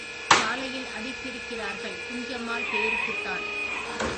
காலையில் அடித்திருக்கிறார்கள் குஞ்சம்மாள் பேருக்குத்தான்.